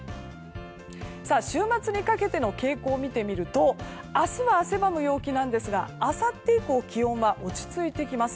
週末にかけての傾向を見てみると明日は汗ばむ陽気なんですがあさって以降気温は落ち着いてきます。